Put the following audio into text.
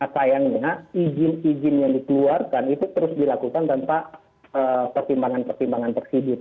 sayangnya izin izin yang dikeluarkan itu terus dilakukan tanpa pertimbangan pertimbangan tersidik